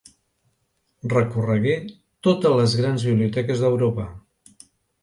Recorregué totes les grans biblioteques d'Europa.